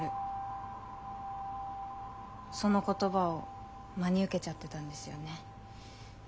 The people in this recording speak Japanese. その言葉を真に受けちゃってたんですよね。